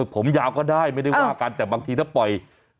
ผมยาวก็ได้ไม่ได้ว่ากันแต่บางทีถ้าปล่อย